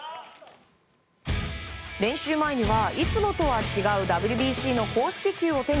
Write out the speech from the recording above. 練習前には、いつもとは違うＷＢＣの公式球を手に。